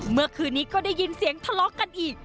เมื่อคืนนี้ก็ได้ยินเสียงทะเลาะกันอีก